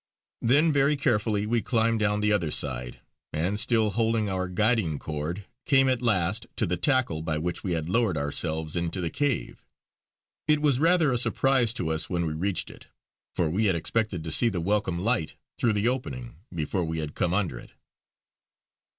Then very carefully we climbed down the other side, and, still holding our guiding cord, came at last to the tackle by which we had lowered ourselves into the cave. It was rather a surprise to us when we reached it, for we expected to see the welcome light through the opening before we had come under it.